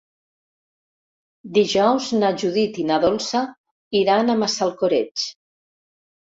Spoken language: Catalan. Dijous na Judit i na Dolça iran a Massalcoreig.